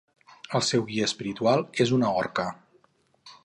El seu guia espiritual és una orca.